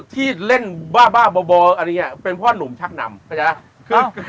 ติดเล่นบ้าบ่ออะเนี่ยเป็นพ่อนุ่มชักนำปะเนี่ย